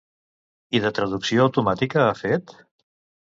I de traducció automàtica ha fet?